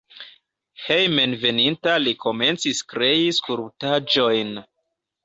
Hejmenveninta li komencis krei skulptaĵojn.